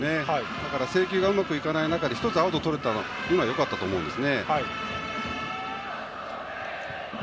だから制球がうまくいかない中で１つアウトをとれたのはよかったと思います。